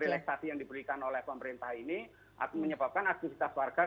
relaksasi yang diberikan oleh pemerintah ini menyebabkan aktivitas warga